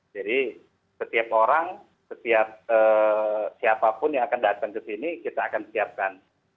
jadi setiap orang siapapun yang akan datang ke sini kita akan siapkan